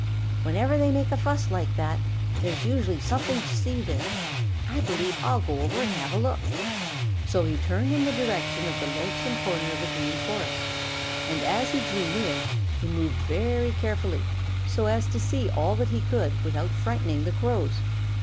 "Whenever they make a fuss like that, there is usually something to see there. I believe I'll so over and have a look." So he turned in the direction of the lonesome corner of the Green Forest, and as he drew near, he moved very carefully, so as to see all that he could without frightening the Crows.